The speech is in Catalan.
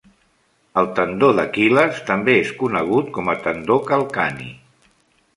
El tendó d'Aquil·les també és conegut com a tendó calcani.